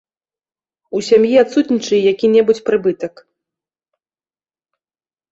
У сям'і адсутнічае які-небудзь прыбытак.